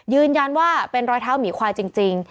ยืนยันว่าเป็นรอยเท้าหมีควายจริง